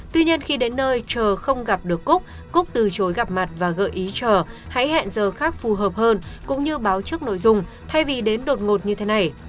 tuy nhiên khi đến nơi chờ không gặp được cúc cúc từ chối gặp mặt và gợi ý chờ hãy hẹn giờ khác phù hợp hơn cũng như báo trước nội dung thay vì đến đột ngột như thế này